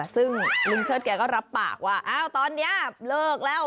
ซึ่งลุงเชิดแกก็รับปากว่าอ้าวตอนนี้เลิกแล้ว